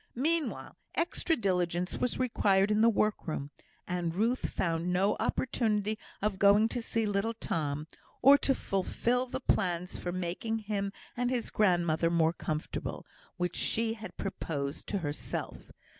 Meanwhile, extra diligence was required in the workroom; and Ruth found no opportunity of going to see little Tom, or to fulfil the plans for making him and his grandmother more comfortable, which she had proposed to herself.